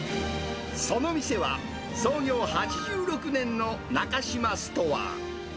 その店は、創業８６年の中島ストアー。